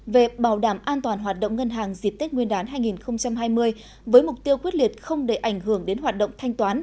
về bảo đảm an toàn hoạt động ngân hàng dịp tết nguyên đán hai nghìn hai mươi với mục tiêu quyết liệt không để ảnh hưởng đến hoạt động thanh toán